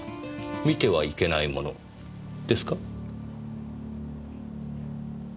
見てはいけないものですか？